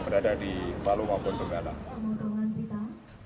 berada di palu maupun tenggala